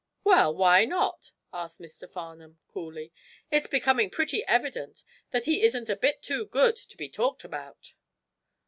"Well, why not?" asked Mr. Farnum, coolly. "It's becoming pretty evident that he isn't a bit too good to be talked about."